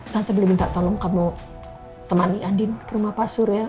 tante belum minta tolong kamu temani andin ke rumah pak suri ya